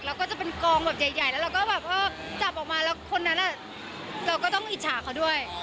แล้วก็จะเป็นกองแบบใหญ่แล้วเราก็แบบว่าจับออกมาแล้วคนนั้นเราก็ต้องอิจฉาเขาด้วย